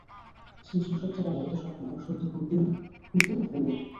সেই শৈশব থেকে লালিত স্বপ্ন এবার সত্যি হতে হতেও হলো না।